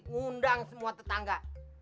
ngundang semua tetangga